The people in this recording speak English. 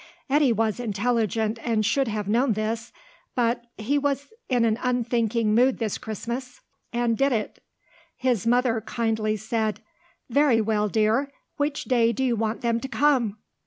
Eddy was intelligent and should have known this, but he was in an unthinking mood this Christmas, and did it. His mother kindly said, "Very well, dear. Which day do you want them to come?"